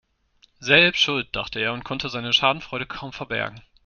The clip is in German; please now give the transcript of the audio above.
"Selbst schuld", dachte er und konnte seine Schadenfreude kaum verbergen.